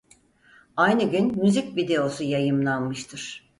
Aynı gün müzik videosu yayımlanmıştır.